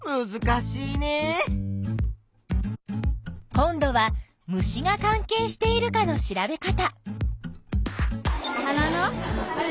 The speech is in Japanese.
今度は虫が関係しているかの調べ方。